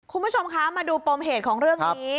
คุณผู้ชมคะมาดูปมเหตุของเรื่องนี้